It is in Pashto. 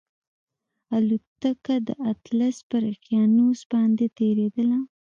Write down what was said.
الوتکه د اطلس پر اقیانوس باندې تېرېدله